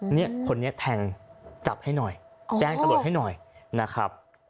เนี่ยคนนี้แทงจับให้หน่อยแจ้งตำรวจให้หน่อยนะครับ